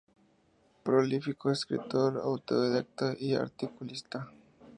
Prolífico escritor autodidacta y articulista.